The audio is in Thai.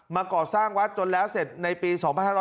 ก่อสร้างวัดจนแล้วเสร็จในปี๒๕๕๙